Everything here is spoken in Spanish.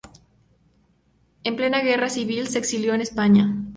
En plena Guerra civil se exilió de España.